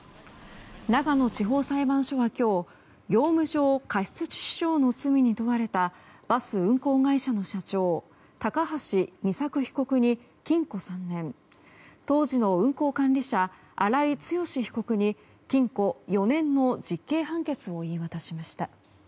長野地方裁判所は今日業務上過失致死傷の罪に問われたバス運行会社の社長高橋美作被告に禁錮３年当時の運行管理者、荒井強被告に禁錮４年の実刑判決を言い渡しました。